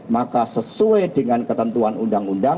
maka sesuai dengan ketentuan undang undang